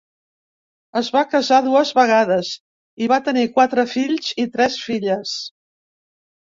Es va casar dues vegades i va tenir quatre fills i tres filles.